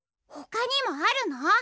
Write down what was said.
ほかにもあるの？